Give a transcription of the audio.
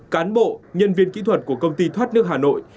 cán bộ nhân viên kỹ thuật của công ty thoát nước hà nội